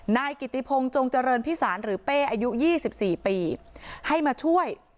นายกิติพงศ์จงเจริญพิสารหรือเป้อายุ๒๔ปีให้มาช่วย